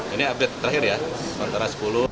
ini update terakhir ya sementara sepuluh